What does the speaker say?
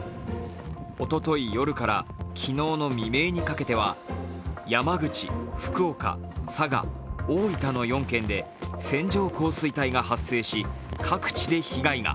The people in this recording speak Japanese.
おととい夜から昨日の未明にかけては山口・福岡・佐賀・大分の４県で線状降水帯が発生し、各地で被害が